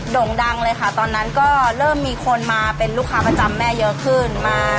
่งดังเลยค่ะตอนนั้นก็เริ่มมีคนมาเป็นลูกค้าประจำแม่เยอะขึ้นมา